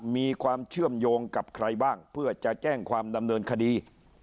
มีความเชื่อมโยงกับใครบ้างเพื่อจะแจ้งความดำเนินคดี